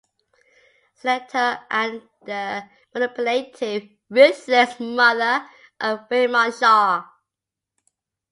Senator and the manipulative, ruthless mother of Raymond Shaw.